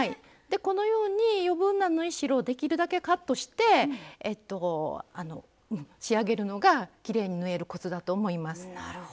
このように余分な縫い代をできるだけカットして仕上げるのがきれいに縫えるコツだと思います。